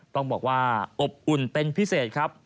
ต้องบอกว่าอบอุ่นเป็นพิเศษครับ